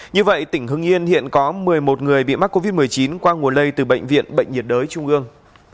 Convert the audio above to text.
như vậy tỉnh hưng yên hiện có một mươi một người bị mắc covid một mươi chín qua nguồn lây từ bệnh viện bệnh nhiệt đới trung ương